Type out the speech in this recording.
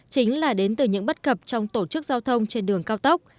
chính là đến từ những bất cập trong tổ chức giao thông trên đường cao tốc